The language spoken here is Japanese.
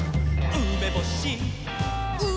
「うめぼし！」